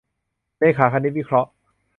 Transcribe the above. เรขาคณิตวิเคราะห์